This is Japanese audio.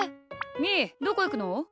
みーどこいくの？